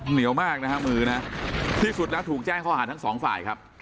เหนียวมากนะฮะมือนะที่สุดแล้วถูกแจ้งข้อหาทั้งสองฝ่ายครับ